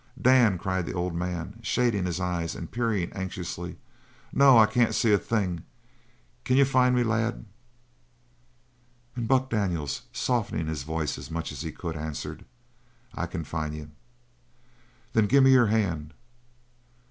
"Dan!" cried the old man, shading his eyes and peering anxiously "no, I can't see a thing. Can you find me, lad?" And Buck Daniels, softening his voice as much as he could, answered. "I can find you." "Then gimme your hand."